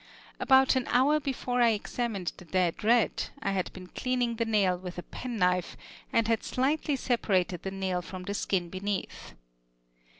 About an hour before I examined the dead rat I had been cleaning the nail with a penknife, and had slightly separated the nail from the skin beneath.